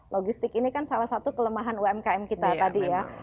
logistik ini kan salah satu kelemahan umkm kita tadi ya